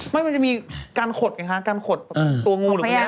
ใช่มันจะมีการขดไงคะการขดตัวงูหรือเป็นอะไร